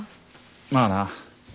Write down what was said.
まあな。